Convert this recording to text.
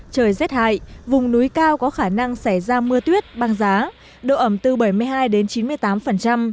trời rét hại vùng núi cao có khả năng xảy ra mưa tuyết băng giá độ ẩm từ bảy mươi hai đến chín mươi tám